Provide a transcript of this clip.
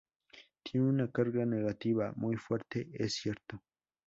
Tiene una carga negativa muy fuerte, es cierto.